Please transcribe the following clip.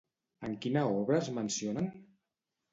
En quina obra es mencionen?